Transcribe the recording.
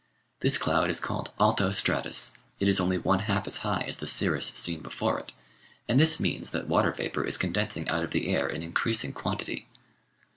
This cloud is called "alto stratus," it is only one half as high as the cirrus seen before it, and this means that water vapour is condensing out of the air in increasing quantity.